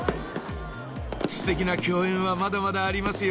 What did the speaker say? ステキな共演はまだまだありますよ